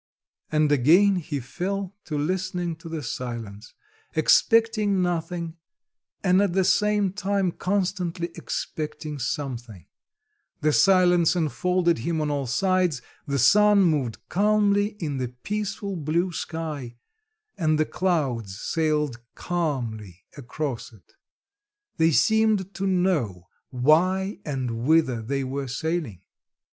And again he fell to listening to the silence, expecting nothing and at the same time constantly expecting something; the silence enfolded him on all sides, the sun moved calmly in the peaceful blue sky, and the clouds sailed calmly across it; they seemed to know why and whither they were sailing.